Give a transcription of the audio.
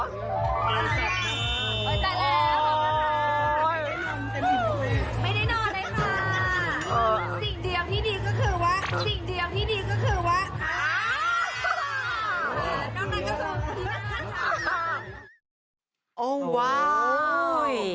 สิ่งเดียวที่ดีก็คือว่าสิ่งเดียวที่ดีก็คือว่า